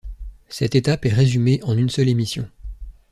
Cette étape est résumée en une seule émission.